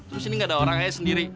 terus ini gak ada orang ayah sendiri